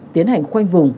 tiến hành khoanh vùng